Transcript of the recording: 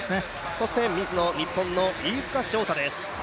そしてミズノ、日本の飯塚翔太選手です。